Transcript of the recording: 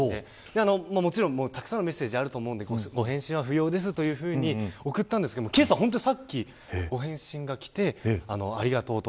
もちろん、たくさんのメッセージがあると思うのでご返信は不要ですというふうに送ったんですがけさ、さっき返信が来てありがとうと。